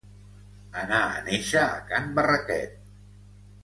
Anar a néixer a Can Barraquet.